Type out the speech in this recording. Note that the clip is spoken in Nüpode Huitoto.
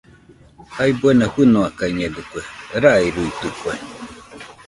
Jae buena fɨnoakañedɨkue, rairuitɨkue.